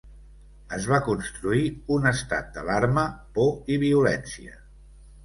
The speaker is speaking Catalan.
Es va construir un estat d’alarma, por i violència.